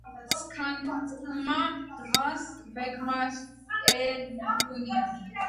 სქანწკუმა დღას ვეგმასერუნია